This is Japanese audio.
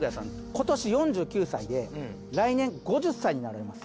今年４９歳で来年５０歳になられます。